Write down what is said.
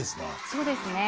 そうですね。